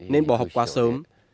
nên bỏ học quá sớm